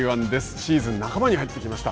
シーズン半ばに入ってきました。